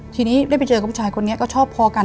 ทีนี้ได้ไปเจอกับผู้ชายคนนี้ก็ชอบพอกัน